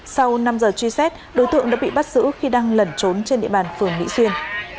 sau năm giờ truy xét đối tượng đã bị bắt giữ khi đang lẩn trốn trên địa bàn phường mỹ xuyên